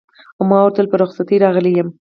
ما ورته وویل: په رخصتۍ راغلی یم.